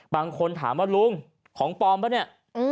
บางคนถามว่าลุงของปลอมป่ะเนี่ย